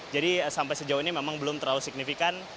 jadi sampai sejauh ini memang belum terlalu signifikan